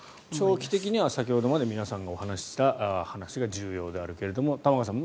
長期的には先ほどまで皆さんが話していた話が重要であるけど玉川さん